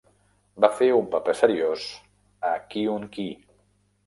Va fer un paper seriós a Kyun Ki.